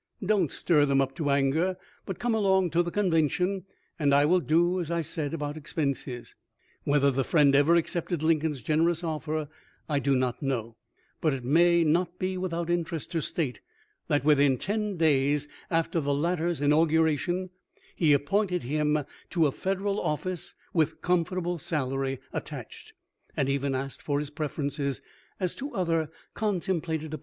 Don 't stir them up to anger, but come along to the convention and I will do as I said about expenses. " Whether the friend ever accepted Lincoln's generous offer I do not know,* but it may not be without interest to state that within ten days after the latter's inaugu ration he appointed him to a Federal office with comfortable salary attached, and even asked for his preferences as to other contemplated appointments in his own State.